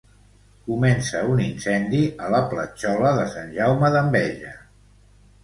Comença un incendi a la Platjola de Sant Jaume d'Enveja.